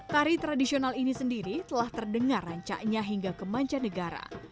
tari tradisional ini sendiri telah terdengar rancaknya hingga ke mancanegara